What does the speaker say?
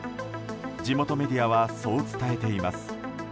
地元メディアはそう伝えています。